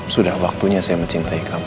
sudah waktunya saya mencintai kamu